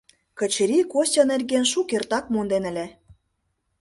Качырий Костя нерген шукертак монден ыле.